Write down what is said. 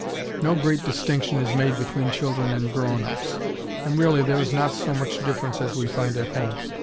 No great distinction is made between children and grown ups, and really there is not so much difference as we find at home.